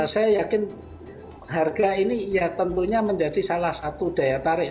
saya yakin harga ini ya tentunya menjadi salah satu daya tarik